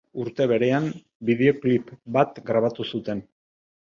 Urte berean bideoklip bat grabatu zuten.